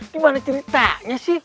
gimana ceritanya sih